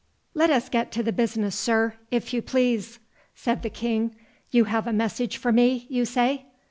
"Let us get to the business, sir, if you please," said the King—"you have a message for me, you say?"